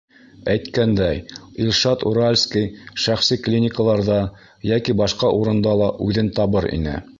Әйткәндәй, Илшат Уральский шәхси клиникаларҙа йәки башҡа урында ла үҙен табыр ине.